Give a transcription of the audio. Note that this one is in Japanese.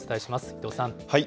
伊藤さん。